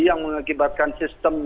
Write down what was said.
yang mengakibatkan sistem